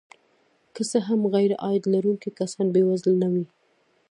که څه هم غیرعاید لرونکي کسان بې وزله نه وي